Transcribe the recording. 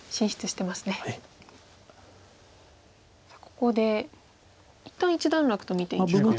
さあここで一旦一段落と見ていいんですか？